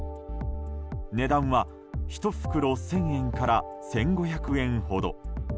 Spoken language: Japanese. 値段は１袋１０００円から１５００円ほど。